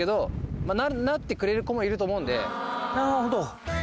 なるほど。